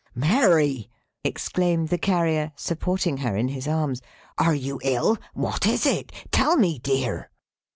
"Mary!" exclaimed the Carrier, supporting her in his arms. "Are you ill! what is it? Tell me dear!"